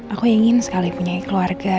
aku ingin sekali punya keluarga